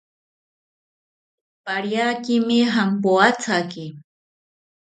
Pariakimi jampoathaki